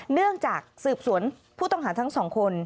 เนื่องจากสืบสวนผู้ต้องหาทั้งสองคน